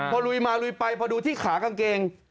พอลุยมาลุยไปพอดูที่ขากางเกง